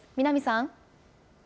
南さん。